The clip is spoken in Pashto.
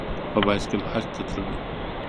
په بایسکل حج ته تللو.